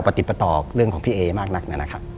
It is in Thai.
ติดประต่อเรื่องของพี่เอมากนักนะครับ